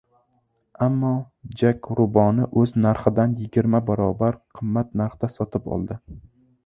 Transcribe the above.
Ammo Jak Ruboni o‘z narxidan yigirma barobar qimmat narxda sotib oldi.